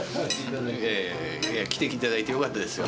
いやいや、来ていただいてよかったですよ。